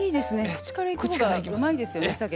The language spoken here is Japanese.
口から行く方がうまいですよねお酒って。